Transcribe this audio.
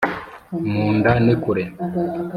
Mu nda ni kure.